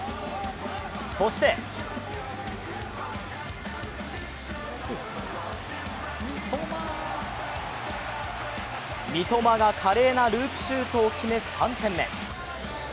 そして、三笘が華麗なループシュートを決め、３点目。